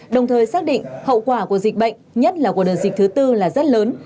đồng thời xác định hậu quả của dịch bệnh nhất là của đợt dịch thứ tư là rất lớn